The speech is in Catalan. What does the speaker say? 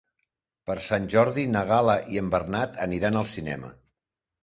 Per Sant Jordi na Gal·la i en Bernat aniran al cinema.